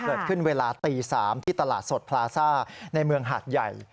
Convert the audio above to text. เกิดขึ้นเวลาตี๓ที่ตลาดสดพลาซ่าในเมืองหาดใหญ่